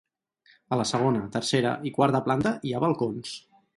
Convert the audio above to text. A la segona, tercera i quarta planta hi ha balcons.